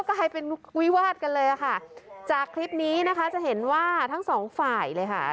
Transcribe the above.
ก็กลายเป็นวิวาดกันเลยค่ะจากคลิปนี้นะคะจะเห็นว่าทั้งสองฝ่ายเลยค่ะ